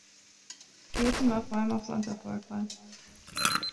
Kuerten war vor allem auf Sand erfolgreich.